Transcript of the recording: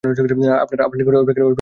আপানার নিকট ঐ বাক্যের কোন অর্থ নাই।